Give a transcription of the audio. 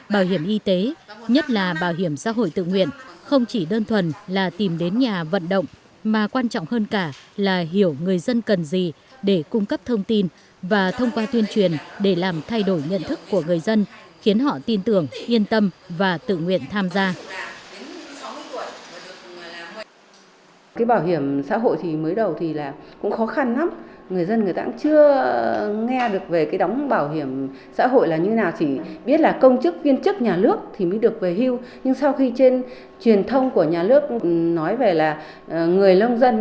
bảo hiểm y tế nhất là bảo hiểm xã hội tự nguyện không chỉ đơn thuần là tìm đến nhà vận động mà quan trọng hơn cả là hiểu người dân cần gì để cung cấp thông tin và thông qua tuyên truyền để làm thay đổi nhận thức của người dân khiến họ tin tưởng yên tâm và tự nguyện tham gia